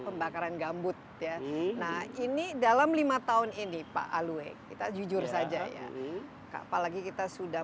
pembakaran gambut ya nah ini dalam lima tahun ini pak alwe kita jujur saja ya apalagi kita sudah